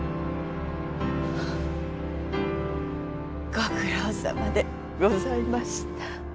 ご苦労さまでございました。